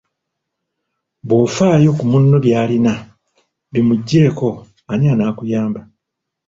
Bwofaayo ku munno by'alina bimuggweko ani anaakuyamba?